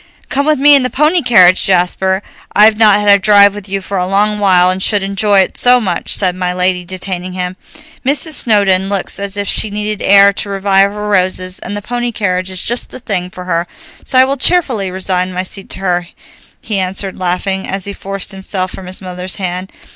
"Come with me in the pony carriage, Jasper. I've not had a drive with you for a long while, and should enjoy it so much," said my lady, detaining him. "Mrs. Snowdon looks as if she needed air to revive her roses, and the pony carriage is just the thing for her, so I will cheerfully resign my seat to her," he answered laughing, as he forced himself from his mother's hand.